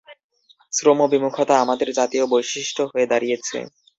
শ্রমবিমুখতা আমাদের জাতীয় বৈশিষ্ট্য হয়ে দাঁড়িয়েছে।